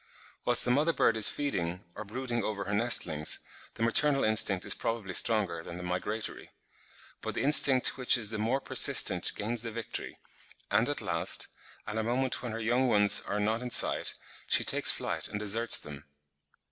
Whilst the mother bird is feeding, or brooding over her nestlings, the maternal instinct is probably stronger than the migratory; but the instinct which is the more persistent gains the victory, and at last, at a moment when her young ones are not in sight, she takes flight and deserts them.